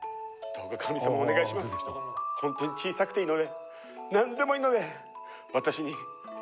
本当に小さくていいのでなんでもいいので私にお宝を下さい。